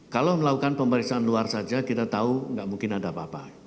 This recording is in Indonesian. kalau melakukan pemeriksaan luar saja kita tahu nggak mungkin ada apa apa